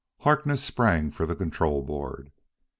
Harkness sprang for the control board.